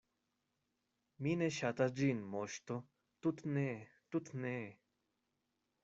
“Mi ne ŝatas ĝin, Moŝto, tut’ ne, tut’ ne!”